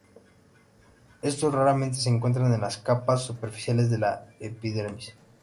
Estos raramente se encuentran en las capas superficiales de la epidermis.